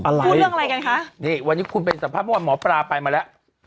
อะไรพูดเรื่องอะไรกันคะนี่วันนี้คุณเป็นสภาพบ้านหมอปราไปมาแล้ว